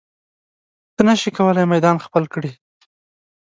ته نشې کولی میدان خپل کړې.